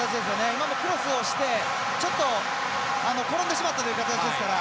今もクロスをしてちょっと転んでしまったという形ですから。